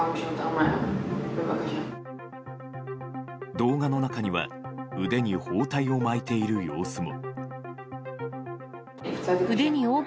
動画の中には腕に包帯を巻いている様子も。